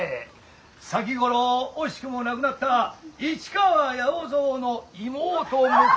先頃惜しくも亡くなった市川八百蔵の妹婿で。